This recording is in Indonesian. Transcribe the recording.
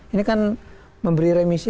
ini kan memberi remisi